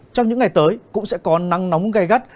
trong những ngày tới cũng sẽ có nắng nóng gai gắt